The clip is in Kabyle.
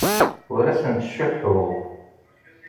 Ur asent-ttcuḥḥuɣ.